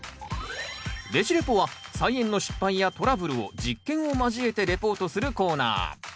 「ベジ・レポ」は菜園の失敗やトラブルを実験を交えてレポートするコーナー。